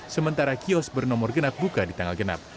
sementara kios bernomor genap buka di tanggal genap